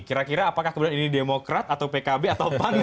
kira kira apakah kemudian ini demokrat atau pkb atau pan